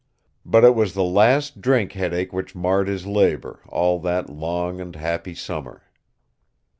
But it was the last drink headache which marred his labor, all that long and happy summer.